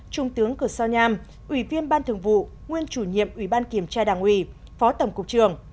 trung tướng cửa sao nham ủy viên ban thường vụ nguyên chủ nhiệm ủy ban kiểm tra đảng ủy phó tổng cục trường